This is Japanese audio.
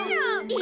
え！